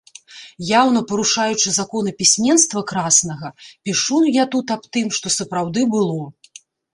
Яўна парушаючы законы пісьменства краснага, пішу я тут аб тым, што сапраўды было.